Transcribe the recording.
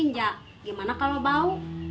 mending gak usah deh pak lawan saya